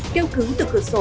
kêu cứu từ cửa sổ